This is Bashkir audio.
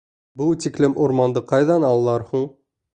Был тиклем урманды ҡайҙан алалар һуң?